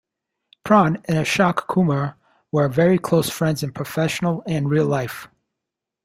Pran and Ashok Kumar were very close friends in professional and real life.